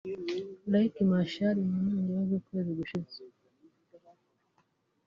Riek Machar mu ntangiriro z’ukwezi gushize